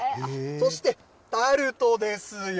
そしてタルトですよ。